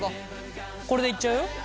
これでいっちゃうよ？